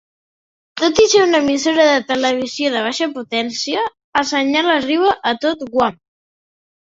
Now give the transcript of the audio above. Tot i ser una emissora de televisió de baixa potència, el senyal arriba a tot Guam.